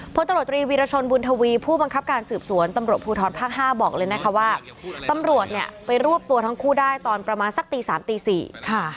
พลตำรวจตรีวีรชนบุญทวีผู้บังคับการสืบสวนตำรวจภูทรภาค๕บอกเลยนะคะว่าตำรวจเนี่ยไปรวบตัวทั้งคู่ได้ตอนประมาณสักตีสามตีสี่ค่ะ